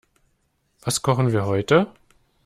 Was kochen wir heute?